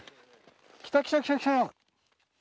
来た来た来た来たよ！